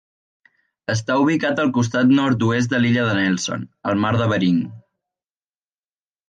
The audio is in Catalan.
Està ubicat al costat nord-oest de l'illa de Nelson, al Mar de Bering.